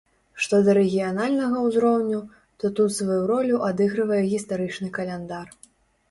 Што да рэгіянальнага ўзроўню, то тут сваю ролю адыгрывае гістарычны каляндар.